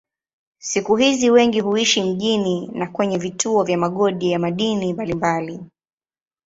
Siku hizi wengi huishi mjini na kwenye vituo vya migodi ya madini mbalimbali.